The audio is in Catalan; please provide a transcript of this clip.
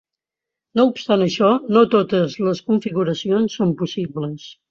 No obstant això, no totes les configuracions són possibles.